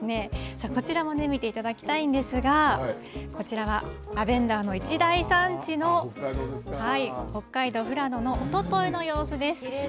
さあこちらも見ていただきたいんですがこちらはラベンダーの一大産地の北海道富良野のおとといの様子です。